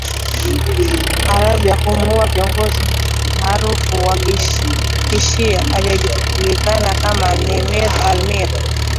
Ilikata uhusiano wa kidiplomasia mwaka elfu mbili kumi na sita, baada ya Saudi Arabia kumuua kiongozi maarufu wa kishia, aliyejulikana kama Nimr al-Nimr